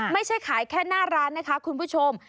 ไม่ใช่ขายแค่หน้าร้านนะคะคุณผู้ชม